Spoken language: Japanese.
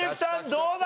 どうだ？